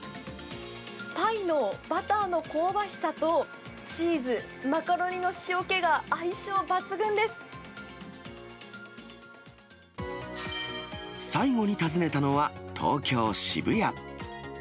パイのバターの香ばしさと、チーズ、最後に訪ねたのは、東京・渋谷。